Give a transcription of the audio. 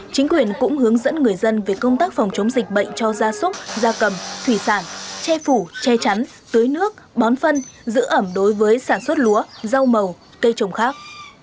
chính quyền cũng hướng dẫn người dân về công tác phòng chống dịch bệnh cho gia súc gia cầm thủy sản che phủ che chắn tưới nước bón phân giữ ẩm đối với sản xuất lúa rau màu cây trồng khác